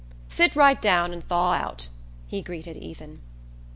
"Sit right down and thaw out," he greeted Ethan.